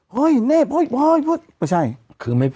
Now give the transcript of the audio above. ก็ดูได้ล่ะ